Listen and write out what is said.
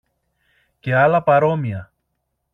και άλλα παρόμοια.